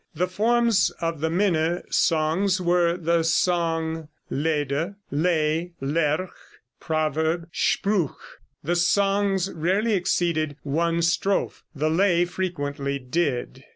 The forms of the minne songs were the song (lede), lay (lerch), proverb (spruch). The song rarely exceeded one strophe; the lay frequently did.